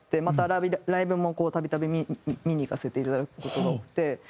またライブもたびたび見に行かせていただく事が多くて。